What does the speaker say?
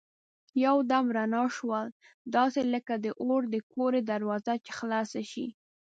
یو دم رڼا شول داسې لکه د اور د کورې دروازه چي خلاصه شي.